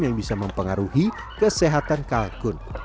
yang bisa mempengaruhi kesehatan kalkun